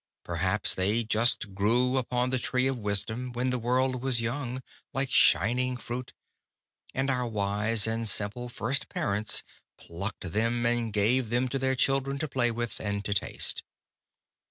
Perhaps they just grew upon the Tree of Wisdom when the world was young, like shining fruit, and our wise and simple first parents plucked them, and gave them to their children to play with, and to taste.